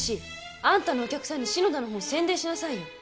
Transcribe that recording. あんたのお客さんに篠田の本宣伝しなさいよ。